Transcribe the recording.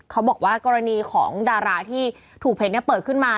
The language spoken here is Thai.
เขาบอกว่ากรณีของดาราที่ถูกเพจนี้เปิดขึ้นมา